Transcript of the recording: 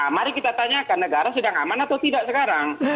mari kita tanyakan negara sedang aman atau tidak sekarang